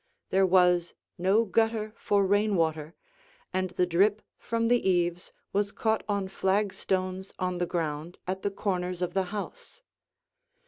There was no gutter for rain water, and the drip from the eaves was caught on flagstones on the ground at the corners of the house.